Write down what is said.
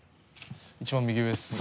一番右上ですね。